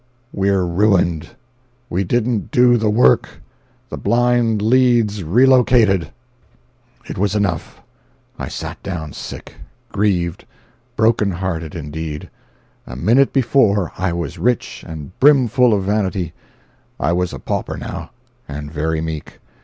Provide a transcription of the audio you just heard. "We're ruined—we didn't do the work—THE BLIND LEAD'S RELOCATED!" 288.jpg (57K) It was enough. I sat down sick, grieved—broken hearted, indeed. A minute before, I was rich and brimful of vanity; I was a pauper now, and very meek.